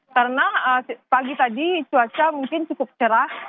karena pagi tadi cuaca mungkin cukup cerah